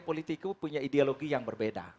politik itu punya ideologi yang berbeda